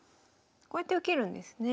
こうやって受けるんですね。